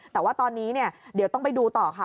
แต่ว่าตอนนี้เนี่ยเดี๋ยวต้องไปดูต่อค่ะ